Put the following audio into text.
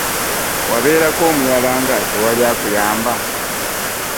Wabeerako omuyala nga teri akuyamba.